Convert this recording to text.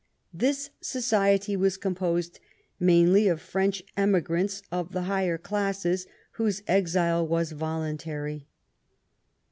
This society was composed mainly of French emigrants of the higher classes, whose exile was voluntary.